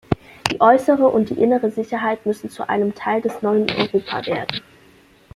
Die äußere und die innere Sicherheit müssen zu einem Teil des neuen Europa werden.